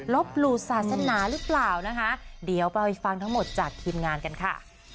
หลู่ศาสนาหรือเปล่านะคะเดี๋ยวไปฟังทั้งหมดจากทีมงานกันค่ะ